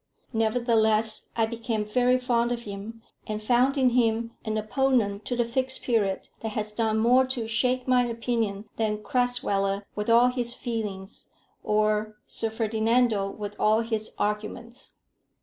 Nevertheless I became very fond of him, and found in him an opponent to the Fixed Period that has done more to shake my opinion than Crasweller with all his feelings, or Sir Ferdinando with all his arguments.